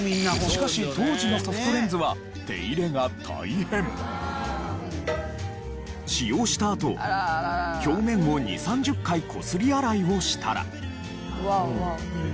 しかし当時のソフトレンズは使用したあと表面を２０３０回こすり洗いをしたら。